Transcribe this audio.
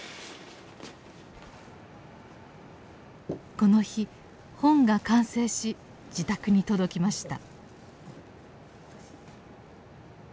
この日本が完成し自宅に届きました。